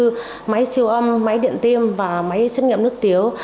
như máy siêu âm máy điện tiêm và máy xét nghiệm nước tiểu